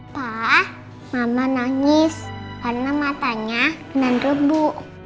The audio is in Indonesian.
pak mama nangis karena matanya kena debu